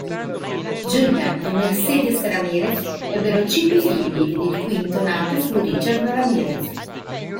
Julian e Mercedes Ramirez ebbero cinque figli, e il quinto nato fu Richard Ramirez.